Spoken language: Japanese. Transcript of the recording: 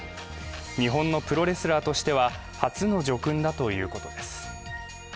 日本のプロレスラーとしては初の叙勲だということです。